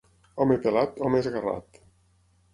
Home pelat, home esgarrat.